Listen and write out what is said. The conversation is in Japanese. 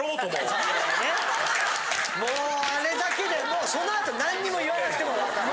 もうあれだけでもうそのあと何にも言わなくても分かる。